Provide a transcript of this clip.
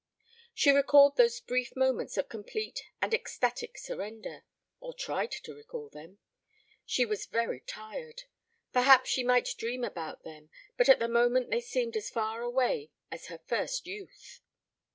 She recalled those brief moments of complete and ecstatic surrender. Or tried to recall them. She was very tired. Perhaps she might dream about them, but at the moment they seemed as far away as her first youth.